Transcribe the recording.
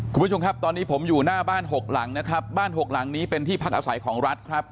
คุณผู้ชมครับตอนนี้ผมอยู่หน้าบ้านหกหลังนะครับบ้านหกหลังนี้เป็นที่พักอาศัยของรัฐครับ